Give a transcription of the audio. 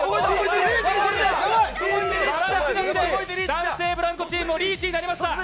男性ブランコチームもリーチになりました！